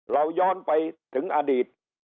เราย้อนไปถึงอดีต